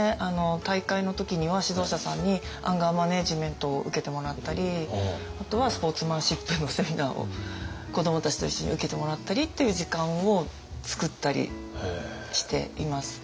大会の時には指導者さんにアンガーマネジメントを受けてもらったりあとはスポーツマンシップのセミナーを子どもたちと一緒に受けてもらったりっていう時間をつくったりしています。